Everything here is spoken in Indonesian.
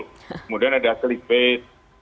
kemudian ada slip page